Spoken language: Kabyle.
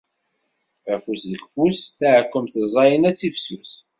Afus deg ufus taɛkkemt ẓẓayen ad tifsus.